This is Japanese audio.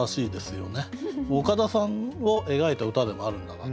岡田さんを描いた歌でもあるんだなって。